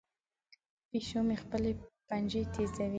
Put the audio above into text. پیشو مې خپلې پنجې تیزوي.